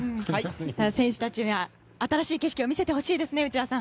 選手たちには新しい景色を見せてほしいですね。